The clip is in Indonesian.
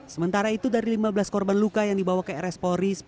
sementara itu dari lima belas korban luka yang dibawa ke rs polri